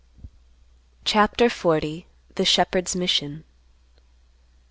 CHAPTER XL. THE SHEPHERD'S MISSION.